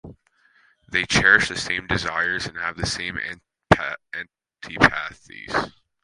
They cherish the same desires and have the same antipathies.